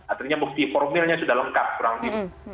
artinya bukti formilnya sudah lengkap kurang lebih